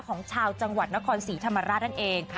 ของชาวจังหวัดนครศรีธรรมราชนั่นเอง